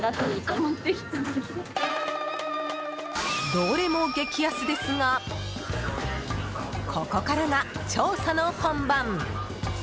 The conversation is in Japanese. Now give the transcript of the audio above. どれも激安ですがここからが調査の本番。